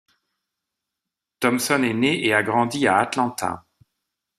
Thompson est né et a grandi à Atlanta.